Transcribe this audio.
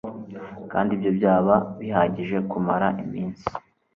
Kandi ibyo byaba bihagije kumara iminsi